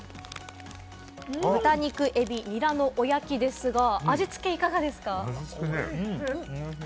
豚肉、エビ、ニラのおやきですが、味付け、いかがですか？